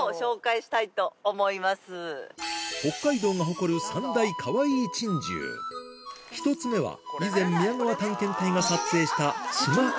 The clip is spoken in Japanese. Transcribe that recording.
コリャまずは１つ目は以前宮川探検隊が撮影した